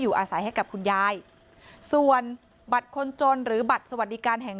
อาศัยให้กับคุณยายส่วนบัตรคนจนหรือบัตรสวัสดิการแห่ง